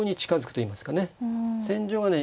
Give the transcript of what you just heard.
戦場はね